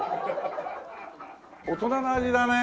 大人の味だね。